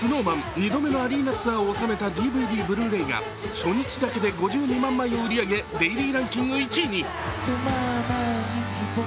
２度目のアリーナツアーを収めたＤＶＤ・Ｂｌｕ−ｒａｙが初日だけで５２万枚も売り上げデイリーランキング１位に。